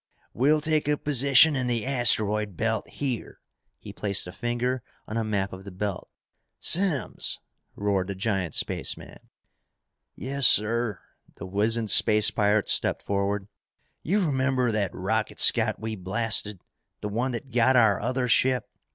"We'll take up a position in the asteroid belt, here!" He placed a finger on a map of the belt. "Simms!" roared the giant spaceman. "Yes, sir!" the wizened space pirate stepped forward. "You remember that rocket scout we blasted? The one that got our other ship?"